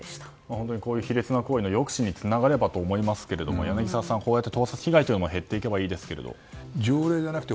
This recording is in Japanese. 本当にこういう卑劣な行為の抑止につながればと思いますけど柳澤さん、こうやって盗撮被害というのも条例じゃなくて